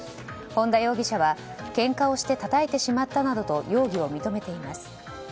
本田容疑者は、けんかをしてたたいてしまったなどと容疑を認めています。